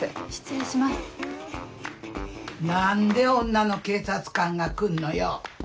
何で女の警察官が来んのよ。